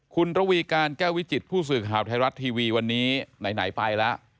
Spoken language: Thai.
คุณระวีการแก้ววิจิตผู้สื่อข่าวไทยรัฐทีวีวันนี้ไหนไปแล้ว